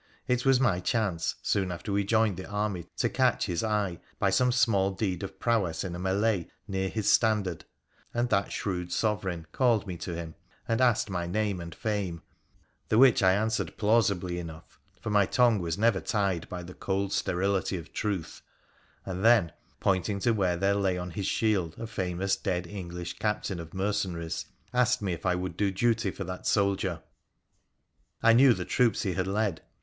It was my chance, soon after we joined the army, to catch his eye by some small deed of prowess in a mel6e near his standard, and that shrewd Sovereign called me to him, and asked my name and fame — the which I answered plausibly PIIRA THE PHCENICIAN 1S1 enough, for my tongue was never tied by the cold sterility of truth — and then, pointing to where there lay on his shield a famous dead English captain of mercenaries, asked me if I would do duty for that soldier. I knew the troops he had led.